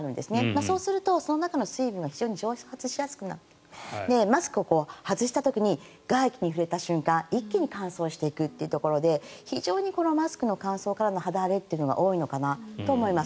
そうなるとその中の水分が非常に蒸発しやすくなってマスクを外した時に外気に触れた瞬間一気に乾燥していくというところで非常にマスクの乾燥からの肌荒れが多いのかなと思います。